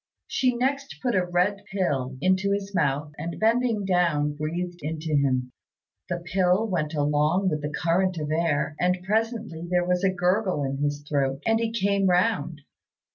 She next put a red pill into his mouth, and bending down breathed into him. The pill went along with the current of air, and presently there was a gurgle in his throat, and he came round.